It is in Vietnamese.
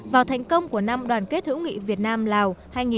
vào thành công của năm đoàn kết hữu nghị việt nam lào hai nghìn một mươi tám